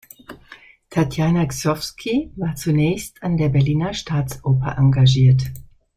Tatjana Gsovsky war zunächst an der Berliner Staatsoper engagiert.